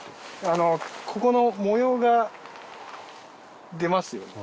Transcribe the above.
あのここの模様が出ますよね